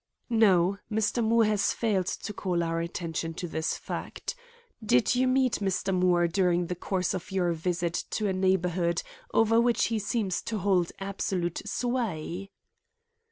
"No; Mr. Moore has failed to call our attention to this fact. Did you meet Mr. Moore during the course of your visit to a neighborhood over which he seems to hold absolute sway?"